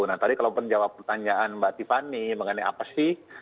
nah tadi kalau menjawab pertanyaan mbak tiffany mengenai apa sih